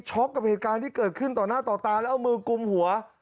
กับเหตุการณ์ที่เกิดขึ้นต่อหน้าต่อตาแล้วเอามือกุมหัว